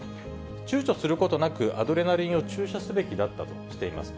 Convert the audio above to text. ちゅうちょすることなく、アドレナリンを注射すべきだったとしています。